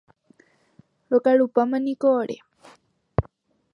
Rokarupámaniko ore.